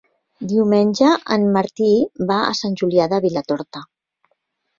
Diumenge en Martí va a Sant Julià de Vilatorta.